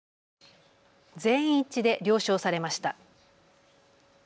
全員一致で了承されました。